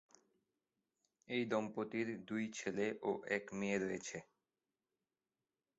এই দম্পতির দুই ছেলে ও এক মেয়ে রয়েছে।